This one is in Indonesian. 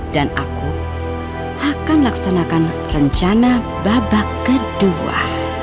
dan aku akan laksanakan rencana babak kedua